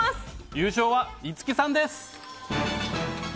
優勝は、いつきさんです！